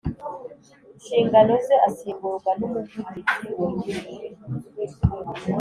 inshingano ze asimburwa n umuvugizi wungirije